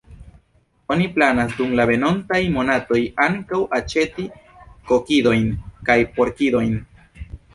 Oni planas dum la venontaj monatoj ankaŭ aĉeti kokidojn kaj porkidojn.